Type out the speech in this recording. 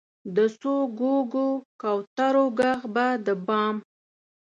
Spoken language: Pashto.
د څو ګوګو، کوترو ږغ به د بام،